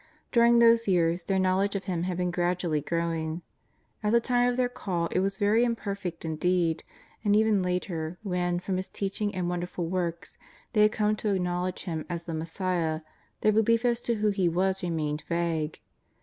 During those years their knowledge of Him had been gradually growing. At the time of their call it was very imperfect indeed, and even later, when, from His teaching and wonderful works, they had come to acknowledge Him as the Mes siah, their belief as to who He was remained very vague.